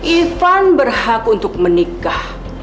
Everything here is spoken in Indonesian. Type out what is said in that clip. ivan berhak untuk menikah